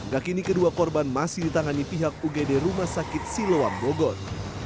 gak kini kedua korban masih ditangani pihak ugd rumah sakit siloam bogor